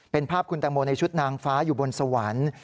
เป็นภาพคุณแตงโมในชุดนางฟ้าอยู่บนสวรรค์